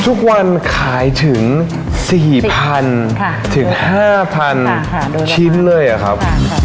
ทุกวันขายถึง๔๐๐๐ถึง๕๐๐ชิ้นเลยอะครับ